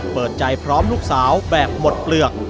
เปิดใจพร้อมลูกสาวแบบหมดเปลือก